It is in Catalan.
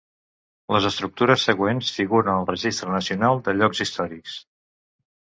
Les estructures següents figuren al Registre Nacional de Llocs Històrics.